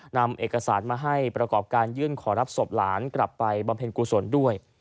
นำเอกสารมาให้ประกอบการยื่นขอรับศพหลานกลับไปบำเพ็ญกุศลด้วย